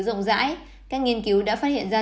rộng rãi các nghiên cứu đã phát hiện ra